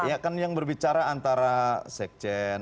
ya kan yang berbicara antara sekjen